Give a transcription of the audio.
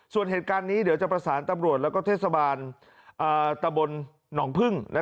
ส่วนเหตุการณ์นี้เดี๋ยวจะประสานตำรวจและเทศบาลตะบลหนองพึ่ง